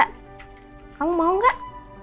kamu mau gak